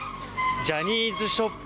ジャニーズショップ